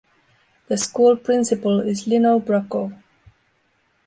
The school principal is Lino Bracco.